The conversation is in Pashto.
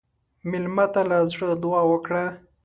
مېلمه ته له زړه دعا وکړه.